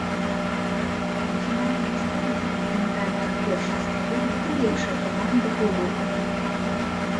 У фінальную стадыю кантынентальнага першынства выйдуць тры лепшыя каманды ў групе.